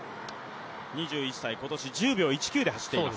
２１歳、今年、１０秒１９で走っています。